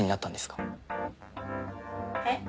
えっ？